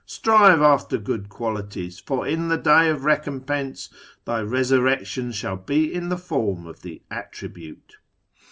Strive after good qualities, for in the Day of Recompense Thy resurrection shall be in the form of the attribute."